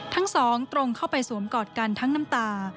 ทั้งสองตรงเข้าไปสวมกอดกันทั้งน้ำตา